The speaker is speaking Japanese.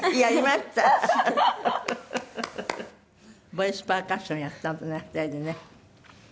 ボイスパーカッションやったのね２人でね。